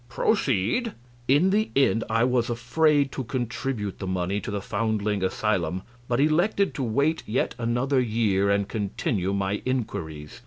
Q. Proceed. A. In the end I was afraid to contribute the money to the foundling asylum, but elected to wait yet another year and continue my inquiries.